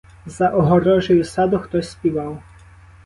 За огорожею саду хтось співав.